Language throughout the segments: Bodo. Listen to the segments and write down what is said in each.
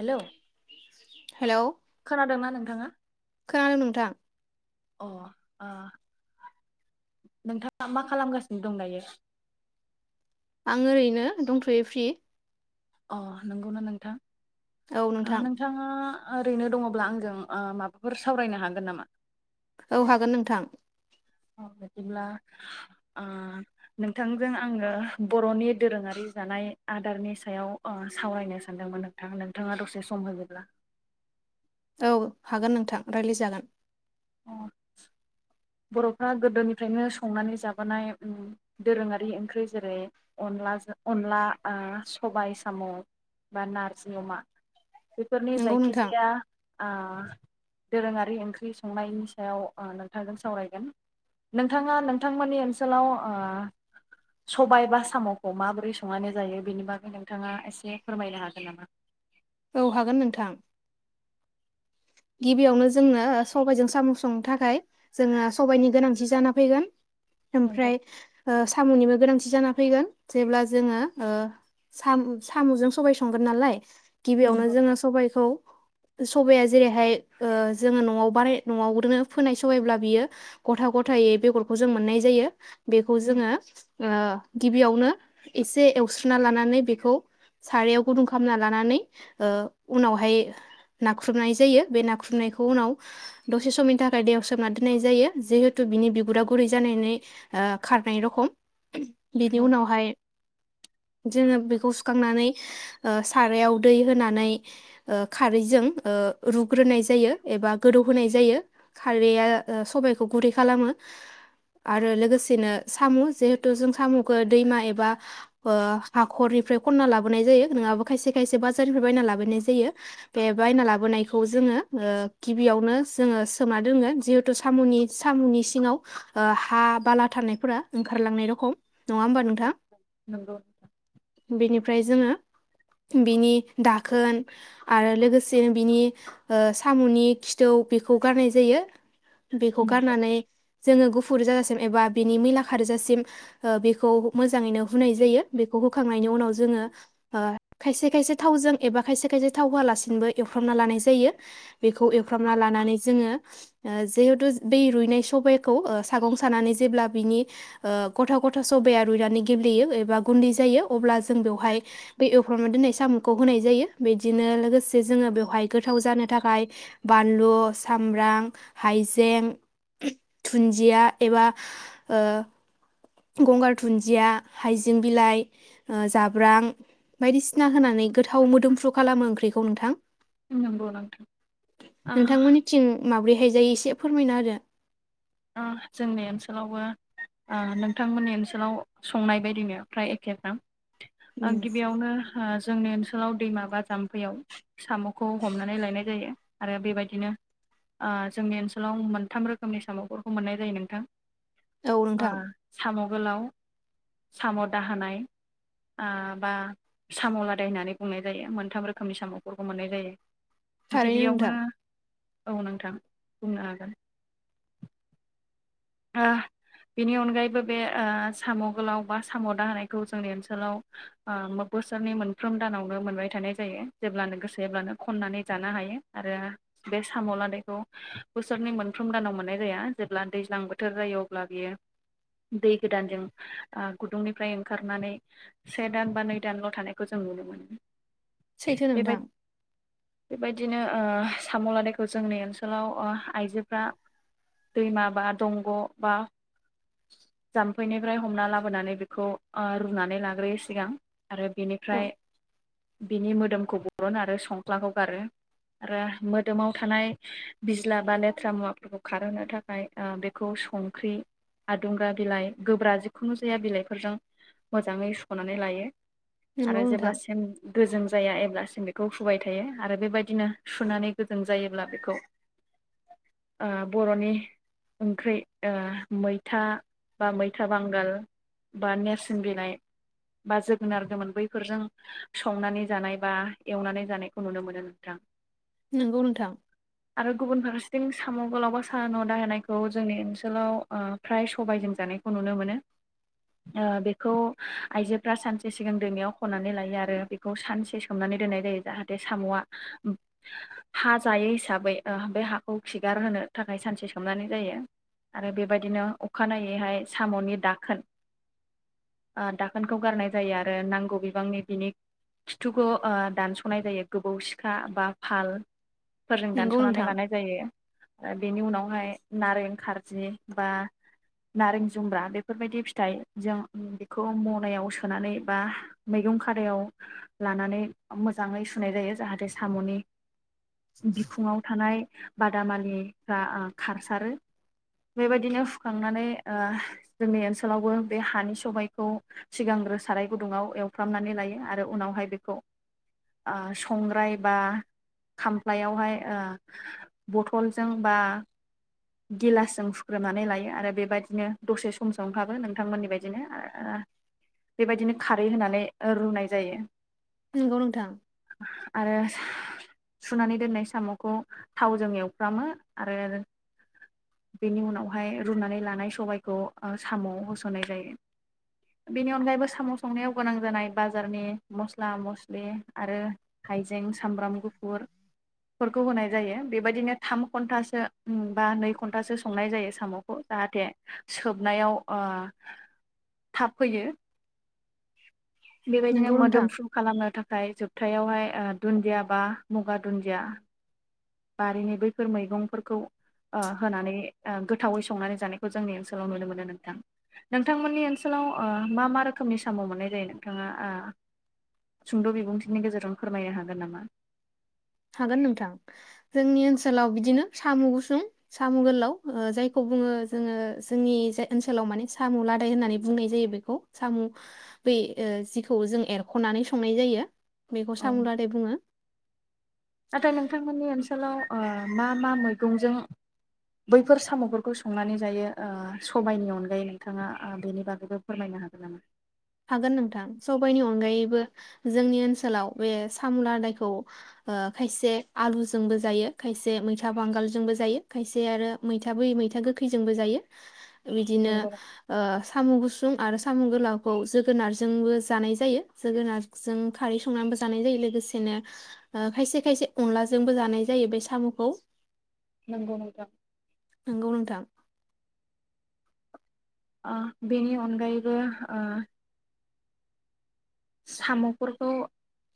हेलौ हेलौ खोनादोंना नों थाङा। खोनादों नोंथां। अ ओ नोंथाङा मा खालामगासिनो दं दायो? आं ओरैनो दंथ'यो फ्रि। अ नंगौना नोंथां। औ आ नोंथां नोंथाङा ओरैनो दङब्ला आंजों ओ माबाफोर सावरायनो हागोन नामा? औ हागोन नोंथां। औ बिदिब्ला ओ नोंथांजों आङो बर'नि दोरोङारि जानाय आदारनि सायाव ओ सावरायनो सानदोंमोन नोंथां नोंथाङा दसे सम होयोबब्ला? औ हागोन नोंथां रायलायजागोन। अ बर'फ्रा गोदोनिफ्रायनो संनानै जाबोनाय उम दोरोङारि ओंख्रि जेरै अनलाजों अनला ओ सबाय साम' बा नारजि अमा बेफोरनि नंगौ नोंथां जायखिजाया ओ दोरोङारि ओंख्रि स संनायनि सायाव आं नोंथांजों सावरायगोन नोंथाङा नोंथांमोननि ओनसोलाव ओ सबाय बा साम'खौ माबोरै संनानै जायो बेनि बागै नोंथाङा एसे फोरमायनो हागोन नामा? औ हागोन नोंथां। गिबियावनो जोंनो ओ सबायाइजों साम' संनो थाखाय जोङो सबायाइनि गोनांथि जाना फैगोन। नंगौ ओमफ्राय ओ साम'निबो गोनांथ जाना फैगोन जेब्ला जोङो ओ साम'जों सबाय संगोन नालाय। गिबियावनो नंगौ जोङो सबायखौ सबायाज जेरैहाय ओ जोङो न'आव बानाय न'आवनो फोनाय सबायब्ला बियो गथा गथायै बेगरखौ जों मोननाय जायो। बेखौ जोङो ओ गिबियावनो एसे एवस्रुना लानानै बेखौ सारायाव गुदुं खालामना लानानै उनावहाय नाखुर नाख्रुबनाय जायो बे नाख्रुबनायखौ उनाव दसे समनि थाखाय दैयाव सोमना दोननाय जायो जिहेतु बिनि बिगुरा गुरै जानानै खारनाय रखम। बेनि नंगौ उनावहाय जोङो बेखौ सुखांनानै सारायाव दै होनानै खारैजों रुग्रोनाय जायो एबा गोदौ होनाय जायो खारैया सबायाइखौ गुरै खालामो आरो लोगोसेनो साम' जिहेथु जों साम'खौ दैमा एबा हाखरनिफ्राय खनना लाबोनाय जायो नोंङाबो खायसे खायसे बाजारनिफ्राय बायना लाबोनाय जायो बे बायना ला लाबोनायखौ जोङो ओ गिबियावनो जोङो सोमा दोङो जिहेतु साम'नि साम'नि सिङाव हा बाला थानायफोरा ओंखारलांनाय रखम- नङा होमबा नोंथां? नंगौ बेनिफ्राय ओमफ्राय जोङो बिनि दाखोन आरो लोगोसे बिनि साम'नि खिथौ बेखौ गारनाय जायो। बेखौ नंगौ गारनानै जोङो गुफुर जासि एबा बिनि मैला खारजासिम बेखौ मोजाङैनो हुनाय जायो बेखौ हुखांनायनि उनाव ज खायसे खायसेसे थावजों एबा खायसे खायसे थाव होलासिनोबो एवफ्रामना लानाय जायो बेखौ एवफ्रामना लानानै जोङो जिहेथु बै रुइनाय सबाइखौ सागं सानानै जेब्ला बिनि गथा गथा सबाया रुइनानै गेब्लेयो एबा गुन्दै जायो अब्ला जों बेवहाय बेै एवफ्रामना दोननाय साम'खौ होनाय जायो बिदिनो लोगोसे जोङो बेवहाय गोथाव जानो थाखाय बानलु सामब्राम, हायजें, दुन्दिया एबा ओ गंगार दुन्दिया, हाइजें बिलाइ, जाब्रां बायदिसिना होनानै गोथाव मोदोमफ्रु खालामो ओंख्रिखौ नोंथां। नंगौ नोंथां ओ नोंथांमोननि थिं माब्रै- देखायजायो एसे फोरमायना होदो। आ जोंनि ओनसोलावबो आं नोंथांमोननि ओनसोलाव संनाय बायदिनो फ्राय एखेफ्राम आं उम गिबियावनो जोंनि ओनसोलाव दैमा बा जाम्फैयाव साम'खौ हमनानै लायनाय जायो आरो बेबायदिनो जोंनि ओनसोलाव मोनथाम रोखोमनि साम'खौ जों खौ मोननाय जायो नोंथां औ अ नोंथां साम' आगोलाव साम' दाहानाय ओ बा साम' लादाय होननानै बुंनाय जायो मोनथाम रोखोमनि साम'फोरखौ मोननाय जायो। थारैनो गिबियावनो नोंथां औ नोंथां बुंनो हागोन‌ ओ बेनि अनगायैबो ओ बे साम' गोलाव बा साम' दाहायखौ जोंनि ओनसोलाव ओ बोसोरनि मोनफ्रोम दानावनो मोनबाय थानाय जायो जेब्लानो गोसो एब्लानो खननानै जानो हायो आरो बे साम' लानायखौ बोसोरनि मोनफ्रोम दानाव मोननाय जाया जेब्ला दैज्लां बोथ बोथोर जायो अब्ला बियो दै गोदानजों गुदुंनिफ्राय ओंखारनानै से दान बा नै दानल' थानायखौ जों नुनो मोनो। सैथो नोंदां। बिदिनो ओ साम' लादायखौ जोंनि ओनसोलाव ओ आइजोफ्रा दैमा बा दंग' बा जाम्फैनिफ्राय हमना लाबोनानै बेखौ रुनानै लाग्रोयो सिगां। आरो औ बेनिफ्राय बिनि मोदोमखौ बरन आरो संख्लाखौ गारो आरो मोदोमाव थानाय बिज्ला बा लेथ्रा मुवाफोरखौ खारहोनो थाखाय बे बेखौ संख्रि आदुंग्रा बिलाइ गोब्रा जिखुनु जाया बिलाइफोरजों मोजाङै सनानै लायो। नंगौ आरो नोंथां जेब्लासिम गोजों जाया एब्लासिम बेखौ सुबुबाय थायो आरो बेबायदिनो सुनानै गोजों जायोब्ला बेखौ ओ बर'नि ओंख्रि ओ मैथा बा मैथा बांगाल बा नेरसिोन बिलाइ बा जोगोनार गोमोन बैफोरजों संनानै जानाय बा एवनानै जानायखौ नुनो मोनो नोंथां। नंगौ नोंथां आरो गुबुन फार जों साम' गोलावबा साम' दाह होनाय खौ जोंनि ओनसोलाव ओ फ्राय सबायाइजों जानायखौ नुनो मोनो बेखौ आइजोफ्रा सानसे सिगां दैमायाव खनानै लायो आरो बेखौ सानसे सोमनानै दोननाय जायो जाहाथे साम'आ हा जायो हिसाबै बे हाखौ खिगार होनो थाखाय सानसे सोमनानै जायो आरो बेबायदिनो अखानायैहाय साम'नि दाखोन ओ दाखोनखौ गारनाय जायो आरो नांगौ बिबांनि बिनि खिथुखौ ओ दानस'नाय जायो गोबौ सिखा बा फाल फोरजों नंगौ दानस'नानै नोंथां लानाय जायो। दा बेनि उनावहाय नारें खारजि बा नारें जुमब्रा बेफोरबायदि फिथाइ जों बेखौ मनायाव सोनानै बा मैगं खादायाव लानानै मोजाङै सुनाय जायो जाहाथे साम'नि बिखुङाव थानाय बादामालिफ्रा खार सारो बेबायदिनो हुखांनानै ओ जोंनि ओनसोलावबो बे हानि सबायखौ सिगांग्रो साराय गुदुङाव एवफ्रामनानै लायो आरो उनावहाय बेखौ ओ संग्राय बा खामफ्लायावहाय ओ बथलजों बा गिलासजों होख्रुमनानै लायो आरो बेबायदिनो दसे समस ओखाबो नोंथांमोननि बायदिनो बेबायदिनो खारै होनानै रुनाय जायो। नंगौ नोंथां। आरो सुनानै दोननाय साम'खौ थावजों एवफ्रामो आरो बेनि उनावहाय रुनानै लानाय सबायखौ ओ साम' होसननाय जायो बेनि अनगायैबो साम' संनायाव गोनां जानाय बाजारनि मस्ला मस्लि आरो हायजें सामब्राम गुफुरफोरखौ होनाय जायो बेबायदिनो थाम घन्टासो बा नै घन्टासो संनाय जायो साम'खौ जाहाथे सोबनायाव ओ थाब फैयो। बेबायदिनो नंगौ नोंथां मोदोमफ्रु खालामनो थाख ओमफाय जोबथायावहाय ओ दुन्दिया बा मुगा दुन्दिया। बारिनि बैफोर मैगंफोरखौ ओ होनानै ओ गोथावै संनानै जानायखौ जोंनि ओनसोलाव नुनो मोनो नोंथां नोंथांमोननि ओनसोलाव ओ मा मा रोखोमनि साम' मोननाय जायो नोंथाङा ओ सुंद' बिबुंथिनि गेजेरजों फोरमायनो हागोन नामा? हागोन नोंथां जोंनि ओनसोलाव बिदिनो साम' गुसुं साम' गोलाव जायखौ बुङो जोङो जोंनि जाय ओनसोलाव माने साम' लादाय होननानै बुंनाय जायो बेखौ साम' ब जिखौ जों एरख'नानै संनाय जायो। बेखौ औ सामुलादै बुङो। नाथाय नोंथांमोननि ओनसोलाव ओ मा मा मैगंजों बैफोर साम'फोरखौ संनानै जायो ओ समबायनि अनगायै नोंथाङा बेनि बागैबो फोरमायनो हागोन नामा? हागोन नोंथां सबाइनि अनगायैबो जोंनि ओनसोलाव बे सामुलादायखौ ओ खायसे आलुजोंबो जायो खायसे मैथा बांगालजोंबो जायो खायसे आरो मैथा बै मैथा गोखैजोंबो जायो। बिदिनो नंगौ ओ साम' गुसु सुं आरो साम' गोलाव खौ जोगोनारजोंबो जानाय जायो जोगोनारजों खारै संनानैबो जानाय जायो लोगोसेनो ओ खायसे खायसे अनलाजोंबो जानाय जायो बे साम'खौ। नंगौ नोंथां। नंगौ नोंथां। ओ बेनि अनगायैबो ओ साम'फोरखौ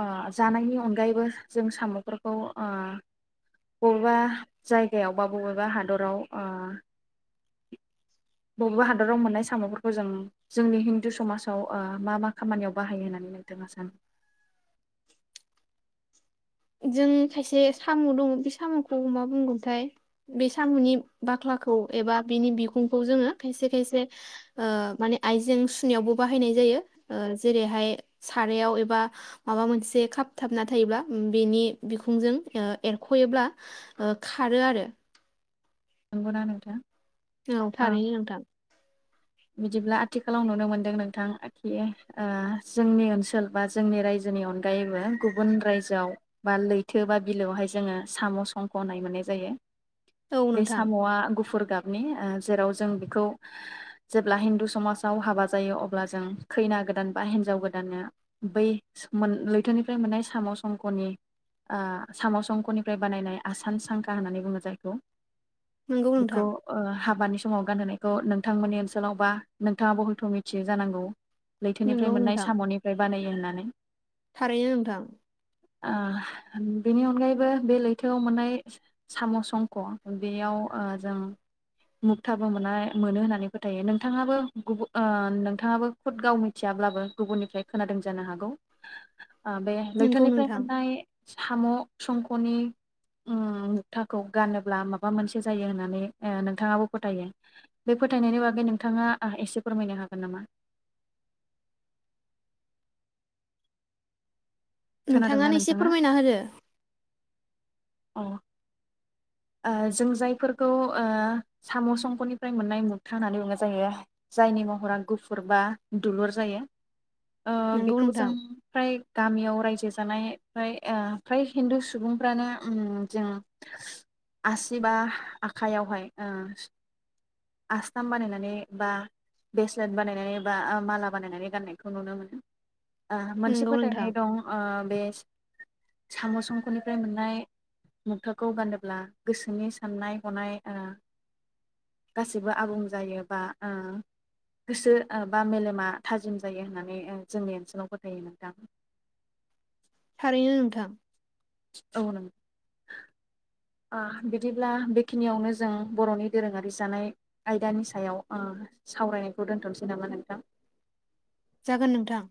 ओ जानायनि अनगायैबो जों साम'फोरखौ ओ बबेबा जायगायाव बा बबेबा हादराव ओ बबेबा हादराव मोननाय साम'फोरखौ जों जोंनि हिन्दु समाजाव ओ मा मा खामानियाव बाहायो होननानै नोंथाङा सानो। जों खायसे साम' दङ बे साम'खौ मा बुंगोनथाय बे साम'नि बाख्लाखौ एबा बेनि बिगुंखौ जोङो खायसे खायसे ओ माने आइजें सुनायावबो बाहायनाय जायो जेरैहाय सारायाव एबा माबा मोनसे खाबथाबना थायोब्ला बेनि बिखुंजों ओ एरख'योब्ला ओ खारो आरो। नंगौना नोंथां। औ ओ थारैनो नोंथां। बिदिब्ला आथिखालाव नुनो मोनदों नोंथांखि ओ जोंनि ओनसोल बा जोंनि रायजोनि अनगायैबो गुबुन रायजोआव बा लैथो बा बिलोआवहाय जोङो साम' संख' मोननाय जायो। औ बे नोंथां साम'आ गुफुर गाब नि ओ जेराव जों बेखौ जेब्ला हिन्दु समाजाव हाबा जायो अब्ला जों खैना गोदान बा हिन्जाव गोदाननो बै लैथोनिफ्राय मोननाय साम'संख'नि ओ साम'संख'निफ्राय बानायनाय आसान सांखा होननानै बुङो जायखौ। नंगौ बेखौ नोंथां ओ हाबानि समाव गानहोनायखौ नोंथांमोननि ओनसोलाव बा नोंथाङाबो हयथ' मिथियो जानांगौ। नंगौ लैथोनिफ्राय मोननाय नोंथां साम'निफ्राय बानायो। नानै थारैनो नोंथां। ओ बिनि अनगायैबो बे लैथोआव मोननाय साम' संख'। बेयाव ओ जों मुगथाबो मोनाय मोनो होननानै फोथायो नोंथाङाबो गुबु ओ नोंथाङाबो खुद गाव मिथियाब्लाबो गुबुननिफ्राय खोनादों जानो हागौ। ओ बे नंगौ लैथोनिफ्राय नोंथां मोननाय। साम' संख'नि उम मुथाखौ गानोब्ला मा बा मोनसे जायो होनानै ओ नोंथाङाबो फोथायो बे फोथायनायनि बागै नोंथाङा ओ एसे फोरमायनो हागोन नामा। खोनादोंना नोंथाङानो एसे नोंथाङा फोरमायना होदो। औ। ओ जों जायफोरखौ ओ साम' संखनिफ्राय मोननाय मुकथा होननानै बुंनाय जायो जायनि महरा गुफुर बा दुलुर जायो। ओ नंगौ बेखौ जों नोंथां फ्राय गामियाव राय जे जानाय फ्राय ओ फ्राय हिन्दु सुबुंफ्रानो उम जों आसि बा आखाइयावहाय ओ आसथाम बानायनानै बा ब्रेसलेट बानायनानै बा ओ माला बानायनानै गाननायखौ नुनो मोनो। ओ मोनसे नंगौ नोंथां फोथायनाय दं ओ बे साम' संख'निफ्राय मोननाय मुखथाखौ गा ब्ला गोसोनि साननाय हनाय ओ गासिबो आबुं जायो बा ओ गोसो ओ बा मेलेमा थाजिम जायो होननानै ओ जोंनि ओनसोलाव फोथायो नोंथां। थारैनो नोंथां। औ नो ओ बिदिब्ला बेखिनियावनो जों बर'नि दोरोङारि जानाय आयदानि सायाव ओ सावरायनायखौ दोन्थ'नोसै नामा नोंथां। जागोन नोंथां।